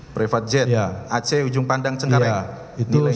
private jet aceh ujung pandang cengkareng